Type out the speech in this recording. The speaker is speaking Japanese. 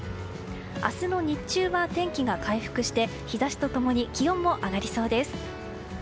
明日の日中は天気が回復して日差しと共に気温も上がりそうです。